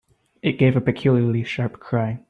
It gave a peculiarly sharp cry.